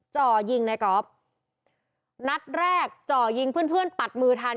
จ่อยิงในก๊อฟนัดแรกจ่อยิงเพื่อนเพื่อนปัดมือทัน